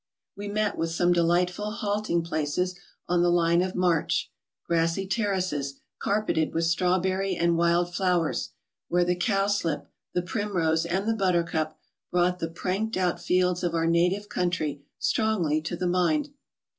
We met with some delightful halting places od the line of march, grassy terraces, carpeted with strawberry and wild fiowers, w^here the cowslip, the primrose, and the buttercup, brought the pranked out fields of our native country strongly to the mind.